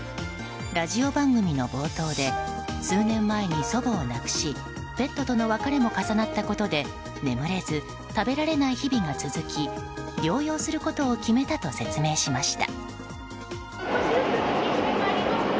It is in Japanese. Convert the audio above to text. ラジオ番組の冒頭で数年前に祖母を亡くしペットとの別れも重なったことで眠れず食べられない日々が続き療養することを決めたと説明しました。